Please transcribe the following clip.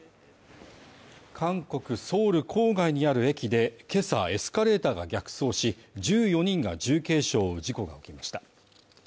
韓国ソウル郊外にある駅で、今朝、エスカレーターが逆走し、１４人が重軽傷を負う事故が起きました。